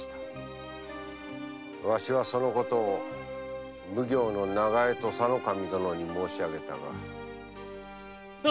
わしはその事を奉行の長江土佐守殿に申し上げたが。